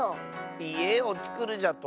いえをつくるじゃと？